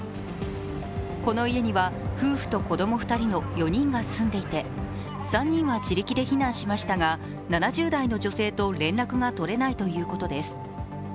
この家には夫婦と子供２人の４人が住んでいて、３人は自力で避難しましたが、７０代の女性と連絡が取れないということです。